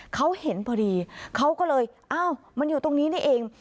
เขาเห็นพอดีเขาก็เลยอ้าวมันอยู่ตรงนี้นี่เอง